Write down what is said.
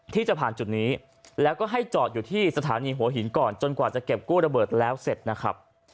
ที่จะผ่านจุดนี้แล้วก็ให้จอดอยู่ที่สถานีหัวหินก่อนจนกว่าจะเก็บกู้ระเบิดแล้วเสร็จนะครับ